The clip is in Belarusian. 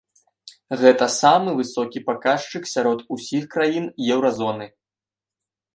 Гэта самы высокі паказчык сярод ўсіх краін еўразоны.